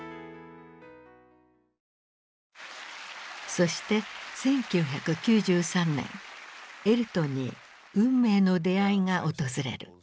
そして１９９３年エルトンに運命の出会いが訪れる。